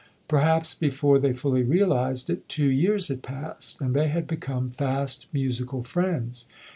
Perhaps before they fully realized it, two years had passed and they had become fast musi cal friends.